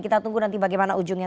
kita tunggu nanti bagaimana ujungnya